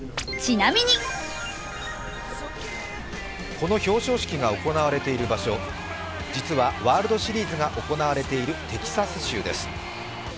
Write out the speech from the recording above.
この表彰式が行われている場所、実はワールドシリーズが行われているテキサス州です。